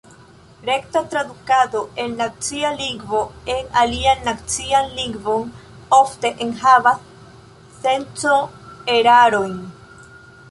Rekta tradukado el nacia lingvo en alian nacian lingvon ofte enhavas senco-erarojn.